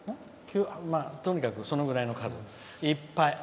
とにかくそのぐらいの数、いっぱい。